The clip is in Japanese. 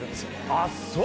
あっそう。